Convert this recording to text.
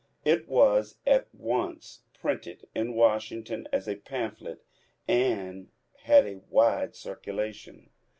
*' It was at once printed in Washington as a pamphlet and had a wide circulation.